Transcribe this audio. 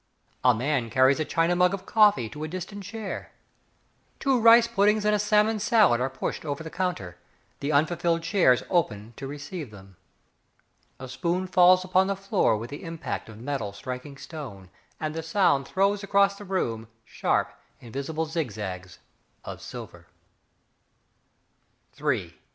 A man carries a china mug of coffee to a distant chair. Two rice puddings and a salmon salad Are pushed over the counter; The unfulfilled chairs open to receive them. A spoon falls upon the floor with the impact of metal striking stone, And the sound throws across the room Sharp, invisible zigzags Of silver.